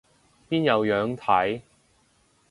邊有樣睇